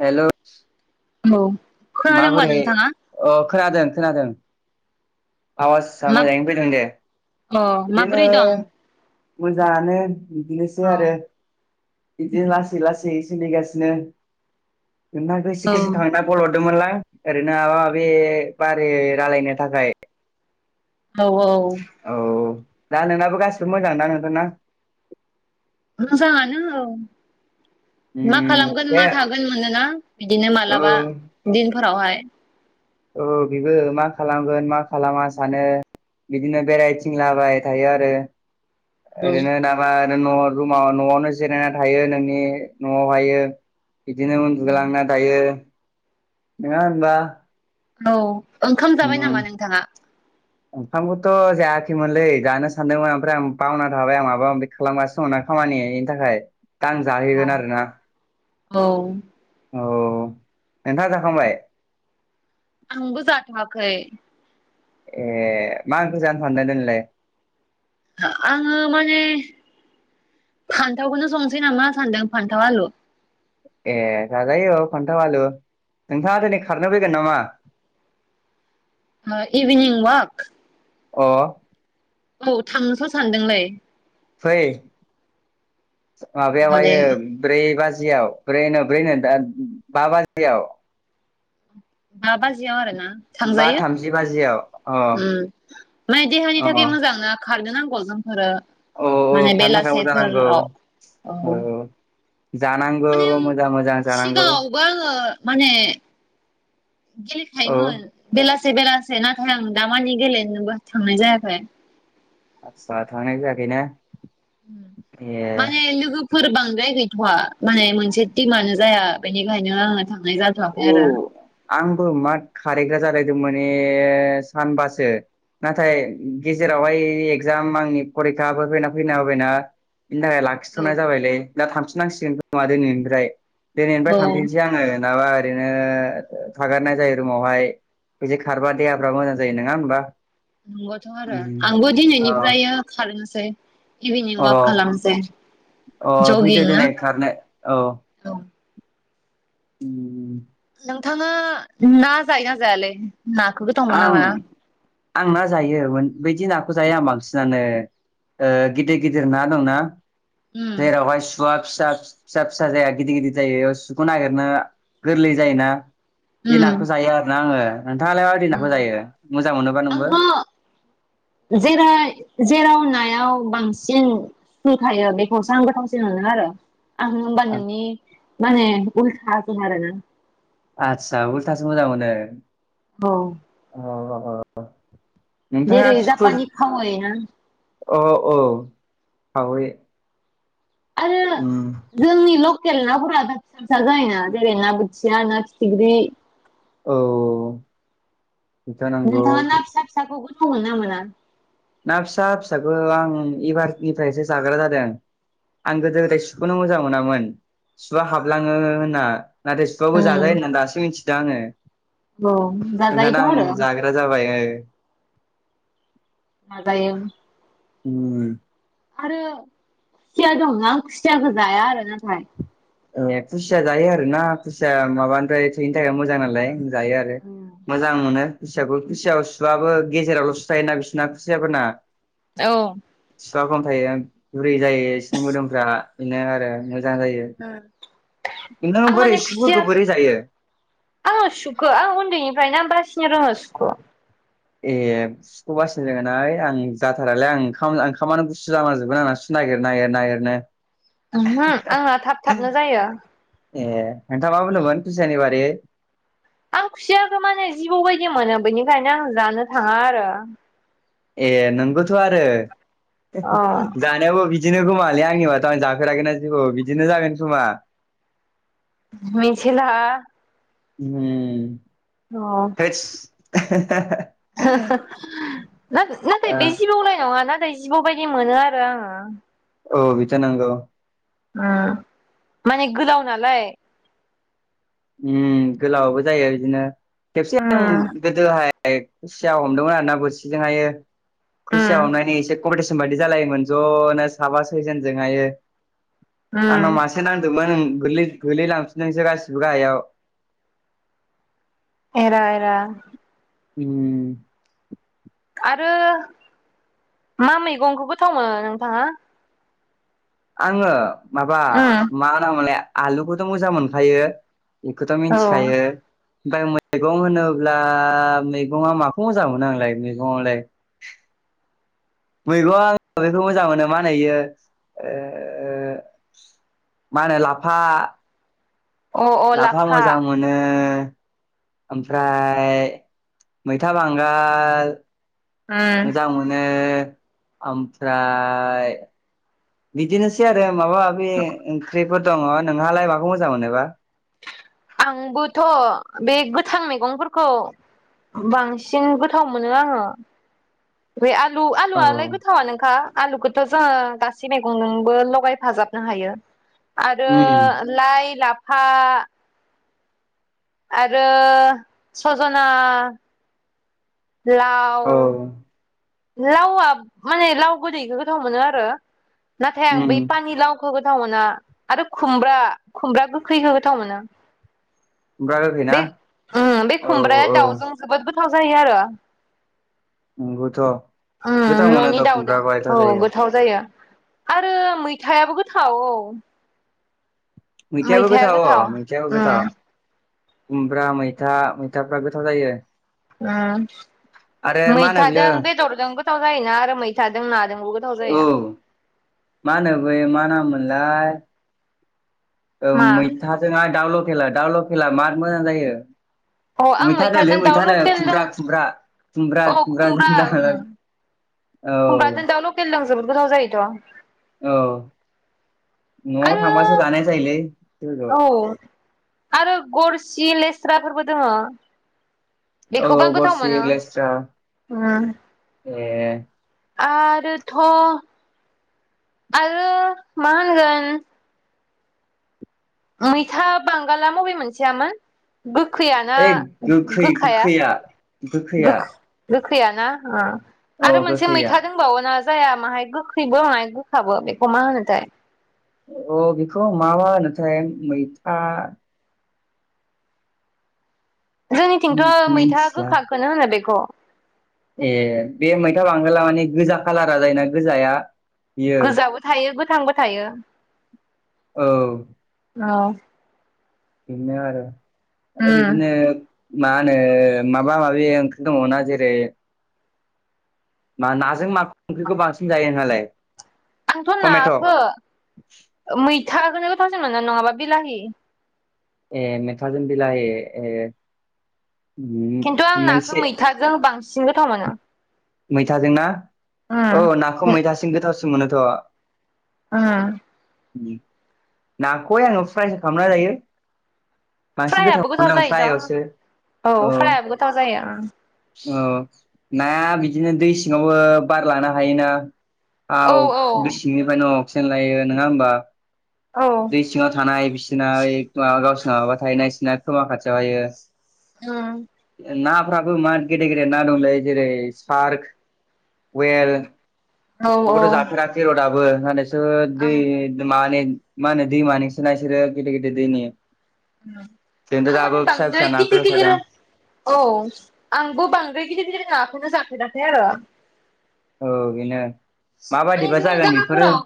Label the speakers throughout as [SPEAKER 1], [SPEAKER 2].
[SPEAKER 1] Hello
[SPEAKER 2] औ खोनादोंबा नोंथांङा
[SPEAKER 1] अ खोनादों खोनादों आवाज साया
[SPEAKER 2] मा
[SPEAKER 1] मोजांयै फैदोंदे
[SPEAKER 2] अ माबोरै दं
[SPEAKER 1] मोजांङानो बिदिनोसै
[SPEAKER 2] अ
[SPEAKER 1] आरो बिदि लासै लासै सोलिगासिनो [unintelligible] गोस
[SPEAKER 2] औ
[SPEAKER 1] गोसो [unintelligible] [unintelligible] हरदोंमोनलां ओरैनो माबा माबि बारि रायलायनो थाखाय
[SPEAKER 2] औ औ।
[SPEAKER 1] औ दा नोंनाबो गासिबो मोजां ना नोंथांना।
[SPEAKER 2] मोजांयानो मा
[SPEAKER 1] उम
[SPEAKER 2] खालामगोन
[SPEAKER 1] दे
[SPEAKER 2] मा थागोन मोनोना बिदिनो
[SPEAKER 1] औ
[SPEAKER 2] मालाबा दिन फोरावहाय
[SPEAKER 1] औ बेबो मा खालामगोन मा खालामा सानो बिदिनो बेरायथिं लाबाय थायो आरो
[SPEAKER 2] औ
[SPEAKER 1] ओरैनो नामा। न' रुमाव न'आवनो जिरायना थायो नोंनि न'आवहाय। बिदिनो उन्दुग लांना थायो नङा होनबा
[SPEAKER 2] औ ओंखाम जाबाय नामा नोंथाङा।
[SPEAKER 1] ओंखामखौथ' जायाखैमोनलै जानो सानदोंमोन ओमफ्राय आं बावना थाबाय आं माबा माबि खालामगासनो मोनाखै। खामानिनि थाखाय दां जाहैगोन आरोना।
[SPEAKER 2] औ
[SPEAKER 1] औ नोंथाङ जाखांबाय।
[SPEAKER 2] आंबो जाथ'वाखै।
[SPEAKER 1] ए मांखो जानो सांदों दोनलाय।
[SPEAKER 2] आङो माने। फान्थावखौनो संसै नामा सान्दों फान्थाव आलु
[SPEAKER 1] ए जाजायो औ फान्थाव आलु नोंथाङा दिनै खारनो फैगोन नामा।
[SPEAKER 2] इभिनिं वाक।
[SPEAKER 1] अ
[SPEAKER 2] औ थांनोथ' सानदोंलै।
[SPEAKER 1] फै
[SPEAKER 2] माने
[SPEAKER 1] माबायावायो ब्रै बाजि। बाजियाव बै ब्रै बा बाजियाव।
[SPEAKER 2] मा बाजियाव आरो ना
[SPEAKER 1] बा
[SPEAKER 2] थांजायो।
[SPEAKER 1] थामजि बाजियाव अ
[SPEAKER 2] उ माने देहानि
[SPEAKER 1] अ
[SPEAKER 2] थाखाय मोजां ना खारनो नांगौ जों। आरो
[SPEAKER 1] औ
[SPEAKER 2] माने
[SPEAKER 1] थानो थाखाय मोजां नांगौ
[SPEAKER 2] बेलासेफोराव औ।
[SPEAKER 1] जानांगौ
[SPEAKER 2] माने
[SPEAKER 1] मोजां मोजां जानांगौ
[SPEAKER 2] सिगाङावबा आङो। माने
[SPEAKER 1] औ
[SPEAKER 2] गेलेखायोमोन बेलासि। से बेलासेै नाथाय आं दामानि गेलेनोबो थांनाय जायाखै।
[SPEAKER 1] आस्सा थांनाय जायाखै ना।
[SPEAKER 2] माने लोगो फोर बांद्राय गैथ'वा माने मोनसे टिमानो जाया बेनिखायनो आङो थां।
[SPEAKER 1] औ आंबो मा खारैग्रा जालाय। गोदो माने सानबासो। नाथाय गेजेरावहाय एगजाम आंनि फरिखाफोर फैना फैना होबायना। बेनि थाखाय लाखिथ'नाय जाबायलै दा थांफिनांसिगोन नङा दिनैनिफ्राय दिनैनिफ्राय
[SPEAKER 2] औ
[SPEAKER 1] थांफिनसै आङो। नाबा ओरैनो थागारनाय जायो रुमावहाय बिदि खारबा देहाफ्रा मोजां जायो नङा होनबा।
[SPEAKER 2] नंगथ' आरो आंबो दिनैनिफ्राय खारनोसै इभिनिं
[SPEAKER 1] अ
[SPEAKER 2] वाक खालामसै।
[SPEAKER 1] अ फैदो
[SPEAKER 2] जगिं ना
[SPEAKER 1] दनै खारनो औ।
[SPEAKER 2] औ नोंथाङा ना जायो ना जायालै? नाखौ गोथाव मोनो ना
[SPEAKER 1] आं
[SPEAKER 2] मोना?
[SPEAKER 1] आं ना जायो बदि नाखौ। जाया बांसिनानो गिदिर गिदिर ना दंना
[SPEAKER 2] उम
[SPEAKER 1] जेरावहाय। सुवा फिसा फिसा फिसा जाया गिदिर गिदिर जायो सुखौ नागिरनो गोरलै जायोना। बे नाखौ
[SPEAKER 2] उम
[SPEAKER 1] जायो आरो ना आङो नोंथाङालाय। नाखौ जायो मोजां मोनोबा नोंबो
[SPEAKER 2] आंथ' जेर जेराव नाय। याव बांसिन खु थायो बेखौसो आं गोथावसिन मोनो आरो आं होमबा नोंनि माने उल्थासो आरोना।
[SPEAKER 1] आदसा उल्थासो मोजां मोनो
[SPEAKER 2] औ
[SPEAKER 1] अ ओ
[SPEAKER 2] जेरै जापानि खावै ना
[SPEAKER 1] औ औ खावै
[SPEAKER 2] आरो
[SPEAKER 1] उम
[SPEAKER 2] जोंनिआव थेल ना फोरा दा फिसा फिसा जायोना जेरै ना बोथिया ना फिथिग्रि
[SPEAKER 1] औ औ
[SPEAKER 2] नोंथाङा ना फिसा फिसाखौ गोथाव मोनना ना मोना
[SPEAKER 1] ना फिसा फिसाखौ आं एबारनिफ्रायसो जाग्रा जादों आं गोदो गोदाय सुखौनो मोजां मोनामोन सुवा हाबलाङो होनना नाथाय सुवाबो
[SPEAKER 2] उम
[SPEAKER 1] जाजायो होननानै दासो मिथिदों आङो
[SPEAKER 2] औ
[SPEAKER 1] नोंथां
[SPEAKER 2] जाजायोथ'
[SPEAKER 1] दा आं
[SPEAKER 2] आरो
[SPEAKER 1] जाग्रा जाबाय ओ
[SPEAKER 2] जाजायो
[SPEAKER 1] उम
[SPEAKER 2] आरो खुसिया दं ना खुसियाखौ जाया आरो नाथाय
[SPEAKER 1] ए खुसिया जायो आरो ना खुसिया माबानिफ्राय थोैनि थाखाय मोजां नालाय जायो आरो मोजां मोनो खुसियाखौ खुसियाव सुआबो गेजेरावल' सु थायोना बिसिना खुसियाफोरना
[SPEAKER 2] औ
[SPEAKER 1] सुआ खम थायो गुरै जायो बिसोरनि मोदोमफ्रा बिदिनो आरो मोजां जायो नों
[SPEAKER 2] आं
[SPEAKER 1] बोरै
[SPEAKER 2] माने
[SPEAKER 1] सुफोरखौ
[SPEAKER 2] खुसियाखो
[SPEAKER 1] बोरै जायो
[SPEAKER 2] आङो सुखो आं उन्दैनिफ्रायनो बासि [unintelligible] सुखौ
[SPEAKER 1] ए सुखौ बासि रोङा नालाय आं जाथारालोय आं ओंखाम ओंखामानो गुसु जालां जोबगोन आंना सु नागिर नागिर नागिरनो
[SPEAKER 2] आंना आंना थाब थाबनो जायो
[SPEAKER 1] ए नोंथा मा बुंदोंमोन खुसियाानि बारै
[SPEAKER 2] आं खुसियाखौ माने जिबौ बायदि मोनो बेनिखायनो आं जानो थाङा आरो
[SPEAKER 1] ए नोंगौथ' आरो
[SPEAKER 2] अ
[SPEAKER 1] जानायावबो बिदि दिनो खोमालै आंनि बाथ' आं जाफेराखैना जिबौ बिदिनो जागोन खोमा
[SPEAKER 2] मिथिला
[SPEAKER 1] उम थोस
[SPEAKER 2] नाथा नाथाय बे जिबौनाय नङा ना फ्राय जिबौ बायदि मोनो आरो आङो
[SPEAKER 1] औ बिथ' नंगौ
[SPEAKER 2] ओम माने गोलाव नालाय
[SPEAKER 1] उम गोलावबो जायो बिदिनो खेबसे आं
[SPEAKER 2] उम
[SPEAKER 1] गोदोहाय ए खुसिया हमदोंमोन आरोना बोरसिजों हायो
[SPEAKER 2] उम
[SPEAKER 1] खुसिया हमनायनि एसे कम्पिटिसन बायदि जालायोमोन ज'नो साबा स'यजोनजोंहाययो आंनाव
[SPEAKER 2] उम
[SPEAKER 1] मासे नांदोंमोन गोरलै गोलै लांफिनदोंसो गासिबो गाहायाव
[SPEAKER 2] एरा एरा
[SPEAKER 1] उम
[SPEAKER 2] आरो मा मैगंखौ गोथाव मोनो नोंथाङा
[SPEAKER 1] आङो माबा
[SPEAKER 2] उम
[SPEAKER 1] मा होना मोनलाय आलुखौथ' मोजां मोनखायो बेखौथ'
[SPEAKER 2] औ
[SPEAKER 1] मिथिखायो
[SPEAKER 2] अ
[SPEAKER 1] ओमफ्राय मैगं होनोब्ला मैगंआ माखौ मोजां मोनो आंलाय मैगङावलाय [unintelligible] मैगंआ आं बेखौ मोजां मोनो मा होनो इयो ओ मा होनो लाफा लाफा मोजां मोनो ओमफ्राय मैथा बांगाल
[SPEAKER 2] उम
[SPEAKER 1] मोजां मोनो ओमफ्राय बिदिनोसै आरो माबा माबि ओंख्रिफोर दङ नोंहालाय माखौ मोजां मोनोबा
[SPEAKER 2] आंबोथ' बे गोथां मैगंफोरखौ बांसिन गोथाव मोनो आङो बे आलु आलुआलाय
[SPEAKER 1] उम
[SPEAKER 2] गोथावा नोखा आलुखौथ' जोङो गासै मैगंजोंबो लगायफाजाबनो हायो आरो लाइ लाफा आरो सजना लाउ
[SPEAKER 1] उम
[SPEAKER 2] लावआ माने लाव गोदैखौ गोथाव मोनो आरो नाथाय आं बै पानि लाव होगथाव मोना आरो खुमब्रा खुमब्रा गोखै होोगथाव मोना
[SPEAKER 1] खुमब्रा गोखै ना
[SPEAKER 2] बे उम बे
[SPEAKER 1] औ
[SPEAKER 2] खुमब्राया
[SPEAKER 1] औ
[SPEAKER 2] दाउजों जोबोद गोथाव जायो आरो
[SPEAKER 1] नंगौथ' गोथाव
[SPEAKER 2] न'नि
[SPEAKER 1] मोनोथ'
[SPEAKER 2] दाउदों
[SPEAKER 1] खुमब्राखौहाय
[SPEAKER 2] औ
[SPEAKER 1] जायो
[SPEAKER 2] गोथाव जायो आरो मैथायाबो गोथाव औ
[SPEAKER 1] मैथायाबो गोथाव मैथायाबो गोथाव
[SPEAKER 2] उम
[SPEAKER 1] खुमब्रा मैथा मैथाफ्रा गोथाव जायो आरो मा होनो बियो
[SPEAKER 2] मैथाजों बेदरजों गोथाव जायोना आरो मैथाजों न
[SPEAKER 1] औ मा होनो बै मा नामोनलाय
[SPEAKER 2] मा
[SPEAKER 1] मैथाजों आरो दाउ लकेला दाउ लकेला मार मोजां जायो
[SPEAKER 2] अ आं
[SPEAKER 1] मैथानोलै
[SPEAKER 2] मैथाजों दाउ
[SPEAKER 1] मैथानो
[SPEAKER 2] लकेलजों
[SPEAKER 1] खुमब्रा खुमब्रा खुमब्रा
[SPEAKER 2] अ
[SPEAKER 1] खुमब्रा जोंना
[SPEAKER 2] उम खुमब्राजों दा लकेलजों जोबोद गोजाव जायोथ'
[SPEAKER 1] औ न'आव
[SPEAKER 2] आरो
[SPEAKER 1] थांबासो जानाय जायोलै जौखौ
[SPEAKER 2] औ आरो गरसि लेस्राफोरबो दङ
[SPEAKER 1] औ गरसे
[SPEAKER 2] उम
[SPEAKER 1] लेस्राफोरबो दङ ए
[SPEAKER 2] आरोथ' आरो मा होनगोन मैथा बांगला बबे मोनसेयामोन गोसोया ना
[SPEAKER 1] ओइ गोखै
[SPEAKER 2] गोखाया
[SPEAKER 1] गोखैया
[SPEAKER 2] गो
[SPEAKER 1] गोखैया
[SPEAKER 2] गोखैया ना
[SPEAKER 1] औ
[SPEAKER 2] आरो मोनसे
[SPEAKER 1] गोखैया
[SPEAKER 2] मैथा दंबाव ना जाया माहाय गोखैबो माय गोखाबो बेखौ मा होनोथाय
[SPEAKER 1] अ बेखौ मा मा होनोथाय मैथा
[SPEAKER 2] जोंनिथिंथ' मैथा
[SPEAKER 1] मिथिला
[SPEAKER 2] गोखाखौननो होनो बेखौ
[SPEAKER 1] ए बे मैथा बांगोला माने गोजा खाालारा जायोना गोजाया बियो
[SPEAKER 2] गोजाबो थायो गोथांबो थायो
[SPEAKER 1] औ
[SPEAKER 2] औ
[SPEAKER 1] बि आरो आरो आरो बिदिनो मा होनो माबा माबि ओंख्रि दङ ना जेरै मा नाजों मा ओंख्रिखौ बांसिन जायो नोंहालाय
[SPEAKER 2] आंथ'
[SPEAKER 1] टमेट'
[SPEAKER 2] नाखौ मैथाखौ गोथाव जों मोना नङाबा बिलाहि
[SPEAKER 1] ए मैथाजों बिलाहि ए उम,
[SPEAKER 2] खिन्थु आं नाखौ
[SPEAKER 1] मोनसे
[SPEAKER 2] मैथाजों बांसिन गोथाव मोनो
[SPEAKER 1] मैथाजोंना औ
[SPEAKER 2] उम
[SPEAKER 1] नाखौ मैथासिम गोथावसिन मोनोथ'
[SPEAKER 2] ओ
[SPEAKER 1] नाखौहाय आङो प्राइस खालामना जायो बांसिन
[SPEAKER 2] फ्रायाबो गोथाव
[SPEAKER 1] गोथावखौनो आं
[SPEAKER 2] जायोथ'
[SPEAKER 1] फ्रायावसो औ
[SPEAKER 2] फ्रायाबो गोथाव जायो
[SPEAKER 1] औ नाया बिदिनो दै सिङावबो बार लानो हायोना औ बि सिंनिफ्रायनो अक्सिजेन लायो नङा होमबा
[SPEAKER 2] औ
[SPEAKER 1] दै सिङाव थानाय बिसिना माबा गावसिनाव माबा थायोना बिसिना खोमा खाथियाव थायो
[SPEAKER 2] ह
[SPEAKER 1] नाफ्राबो मा गेदेर गेदेर ना दंलै जेरै सार्क वेल
[SPEAKER 2] औ औ
[SPEAKER 1] बेखौथ' जाफेरासै र दाबो होनसो दै
[SPEAKER 2] आं
[SPEAKER 1] माने होने माने दैमानिसोना बिसोर गेदेर गेदेर दैनि जोंथ'
[SPEAKER 2] आं
[SPEAKER 1] दाबो
[SPEAKER 2] माने
[SPEAKER 1] फिसा
[SPEAKER 2] बांद्राय
[SPEAKER 1] फिसा नाखौ
[SPEAKER 2] गिदिर गिदिर
[SPEAKER 1] होसादों
[SPEAKER 2] औ आंबो बांद्राय गिदिर गिदिर नाखौनो जाफेराखै आरो
[SPEAKER 1] औ बिनो
[SPEAKER 2] माने जोंनि जागाफोराव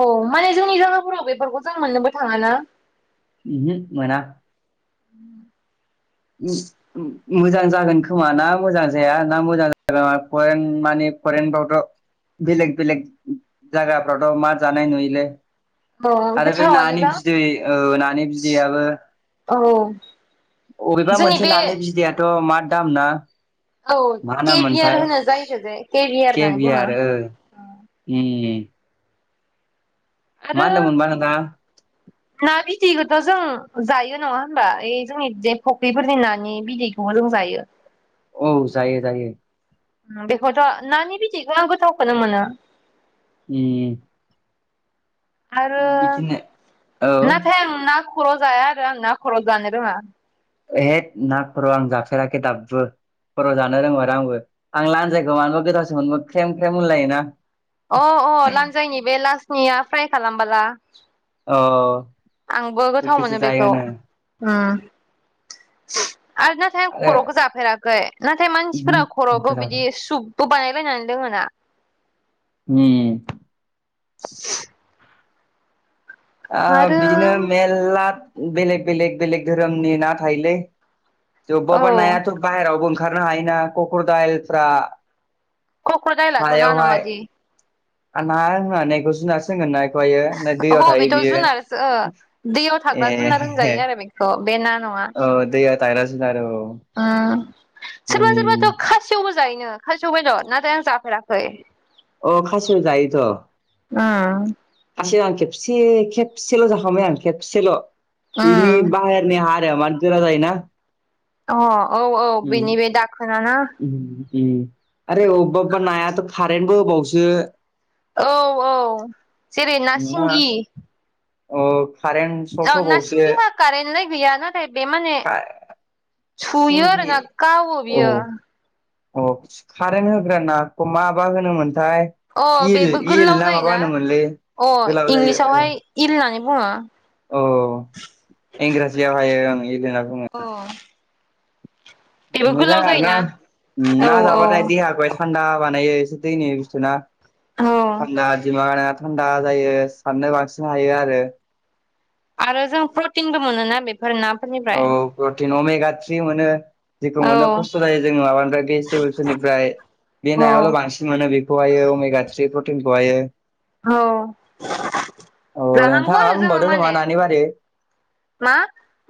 [SPEAKER 2] औ माने जोंनि जागाफोराव बेफोरखौ जों मोनलोंबा [unintelligible] ना
[SPEAKER 1] [unintelligible] मोनना
[SPEAKER 2] [inaudible]
[SPEAKER 1] [unintelligible] मोजां जागोन खोमा ना मोजां जाया ना मोजां [unintelligible] फरेन माने फरेन फ्रावथ' बेलेग बेलेग जायगाफथ' मा जानाय नुयोले
[SPEAKER 2] औ
[SPEAKER 1] आरो बे
[SPEAKER 2] गोथावानो
[SPEAKER 1] नानि
[SPEAKER 2] दा
[SPEAKER 1] बिदै नानि बिदैयाबो
[SPEAKER 2] औ
[SPEAKER 1] अबेबा
[SPEAKER 2] जोंनि
[SPEAKER 1] मोनसे
[SPEAKER 2] बे
[SPEAKER 1] नानि बिदैआथ' मार दाम ना
[SPEAKER 2] औ
[SPEAKER 1] मा नाम
[SPEAKER 2] केभियार
[SPEAKER 1] मोनथाय
[SPEAKER 2] होनो जायखौ जे होननानै बुङो
[SPEAKER 1] केभियार [unintelligible] मा
[SPEAKER 2] आरो
[SPEAKER 1] होनदोंमोनबा नोंथां
[SPEAKER 2] ना बिदै थ' जों जायो नङा होनबा ओइ जोंनि जे फख्रिफोरनि नानि बिदैखौबो जों जायो
[SPEAKER 1] औ जायो जायो
[SPEAKER 2] बेखौथ' नानि बिदैखौ आं गोथावखौनो मोना
[SPEAKER 1] [unintelligible]
[SPEAKER 2] आरो
[SPEAKER 1] बिदिनो औ
[SPEAKER 2] नाथाय आं ना ख खर' जाया आरो आं ना खर' जानो रोङा
[SPEAKER 1] [unintelligible] ना खर' आं जाफेराखै दाबो खर' जानो रोंमारा आरो आंबो आं लानजायखौ मानोबा गोथावसो मोनबो ख्रेम ख्रेम होनलायोना
[SPEAKER 2] अ अ लान्जायनि बे लासनिया फ्राय खालामबाला
[SPEAKER 1] अ
[SPEAKER 2] आंबो गोथाव मोनो बेखौ
[SPEAKER 1] [inaudible]
[SPEAKER 2] आरो नाथाय आं
[SPEAKER 1] आरो
[SPEAKER 2] खर'खौ जाफेराखै नाथाय मानसिफोरा
[SPEAKER 1] उम
[SPEAKER 2] खर'खौ बिदि सुपबो बानाय नायनानै लोङो ना
[SPEAKER 1] [unintelligible]
[SPEAKER 2] [inaudible] आरो
[SPEAKER 1] बिदिनो मेरला बेलेग बेलेक बेलेग धोरोमनि ना थायोलै बबा
[SPEAKER 2] औ
[SPEAKER 1] बबा नायाथ' बाहेरावबो ओंखारनो हायो कक्र दाइलफ्रा
[SPEAKER 2] कक्रदाइलाथ'ना नङादि
[SPEAKER 1] [unintelligible] [unintelligible] ना
[SPEAKER 2] अह
[SPEAKER 1] दैयाव थायो
[SPEAKER 2] बेथ'
[SPEAKER 1] बियो
[SPEAKER 2] जुनारसो दैयाव थाग्रा जुनार होनजायो आरो बेखौ बे
[SPEAKER 1] अ दैयाव थाग्रा जुनार औ
[SPEAKER 2] सोरबा सोरबा थ' खासेवबो जायैनो खासेव बेदर नाथाय आं जाफेराखै
[SPEAKER 1] अ खासेव जायोथ'
[SPEAKER 2] उम
[SPEAKER 1] खासेव खबसे खबसेल' जाखांबाय आं खेबसेल' बिनि [unintelligible]
[SPEAKER 2] उम
[SPEAKER 1] [unintelligible] गोरा जायो ना
[SPEAKER 2] अ औ औ बेनि बे दाखोना नो
[SPEAKER 1] उम आरो अबबा अबबा नायाथ' कारेनटबो होबावसो
[SPEAKER 2] औ औ जेरै ना
[SPEAKER 1] नङा
[SPEAKER 2] सिंगि
[SPEAKER 1] अ कारेन्ट
[SPEAKER 2] औ
[SPEAKER 1] सक
[SPEAKER 2] ना
[SPEAKER 1] होबावोसो
[SPEAKER 2] सिंगिहा कारेन्टलाय गैया नाथाय बे माने सुयो
[SPEAKER 1] सिंगि
[SPEAKER 2] आरोना गावो
[SPEAKER 1] औ
[SPEAKER 2] बियो
[SPEAKER 1] औ कारेन्ट होग्रा नाखौ माबा होनोमोन
[SPEAKER 2] औ बेबो गोलाव जायोना
[SPEAKER 1] होनोमोनलै
[SPEAKER 2] अ इंलिसावहाय इल होननानै बुङो
[SPEAKER 1] अ इंराजियाव हाय ओं इल होनना बुङो
[SPEAKER 2] अ
[SPEAKER 1] मोजां आरो ना
[SPEAKER 2] औ
[SPEAKER 1] ना जाबाथाय देहाखौ थान्दा बानायो दै बुसथु ना
[SPEAKER 2] औ
[SPEAKER 1] थान्दा [unintelligible] थान्दा जायो साननो बांसिन हायो आरो
[SPEAKER 2] आरो जों प्रटिनबो मोनोना बेफोर नाफोरनिफ्राय
[SPEAKER 1] गाथ्रि मोनो जेखौ
[SPEAKER 2] औ
[SPEAKER 1] मोनो खस्थ' जायो जों माबानिफ्राय बे भेजिटेबोलसफोरनिफ्राय बे
[SPEAKER 2] औ
[SPEAKER 1] नायावल' बांसिन मोनो बेखौहायो अमेगा थ्रि प्रटिनखौहायो औ
[SPEAKER 2] लानांगौ
[SPEAKER 1] नोंथाङा
[SPEAKER 2] आरो जोङो
[SPEAKER 1] बुंबावदो खोमा
[SPEAKER 2] माने
[SPEAKER 1] नानि बारै
[SPEAKER 2] मा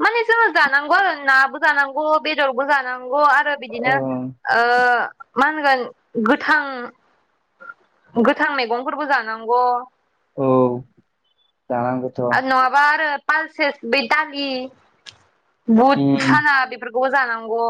[SPEAKER 2] माने जोङो जानांगौ आरो नाबो जानांगौ बेदरबो जानांगौ गौ आरो
[SPEAKER 1] औ
[SPEAKER 2] बिदिनो ओ मा होनगोन गोथां गोथां मैगंफोरबो जानांगौ
[SPEAKER 1] औ जानांगौथ'
[SPEAKER 2] आरो नङाबा आरो पालसेस बै दालि बुट
[SPEAKER 1] उम
[SPEAKER 2] साना बेफोर ग जानांगौ